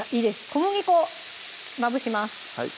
小麦粉をまぶします